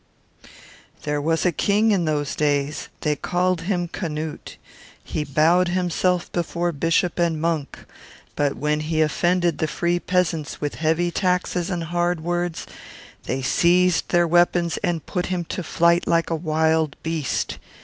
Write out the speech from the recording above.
"There was a King in those days. They called him Canute. He bowed himself before bishop and monk; but when he offended the free peasants with heavy taxes and hard words, they seized their weapons and put him to flight like a wild beast.